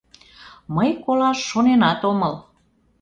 — Мый колаш шоненат омыл.